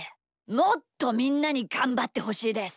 もっとみんなにがんばってほしいです。